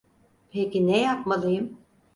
Peki ne yapmalıyım?